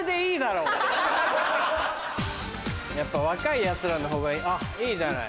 やっぱ若いヤツらのほうがあっいいじゃない。